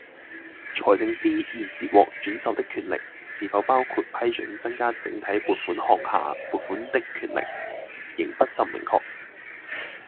財政司現時獲轉授的權力是否包括批准增加整體撥款項下撥款的權力，仍不甚明確